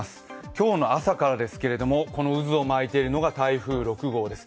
今日の朝からですけれどもこの渦を巻いているのが台風６号です。